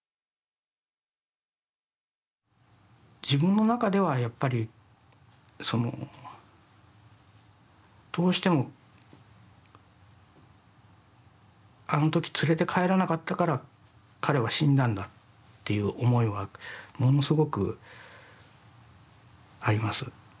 自分の中ではやっぱりどうしてもあの時連れて帰らなかったから彼は死んだんだっていう思いはものすごくあります。